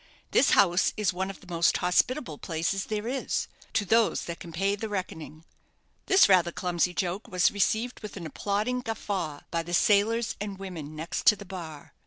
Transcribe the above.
This house is one of the most hospitable places there is to those that can pay the reckoning." This rather clumsy joke was received with an applauding guffaw by the sailors and women next the bar.